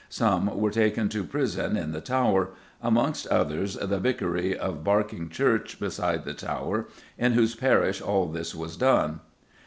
Some were taken to prison [in the Tower]: amongst others the Vicary of Barking Church beside the Tower, in whose parish all this was done."